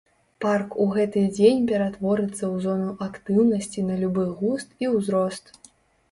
Парк у гэты дзень ператворыцца ў зону актыўнасці на любы густ і ўзрост.